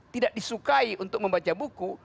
tidak disukai untuk membaca buku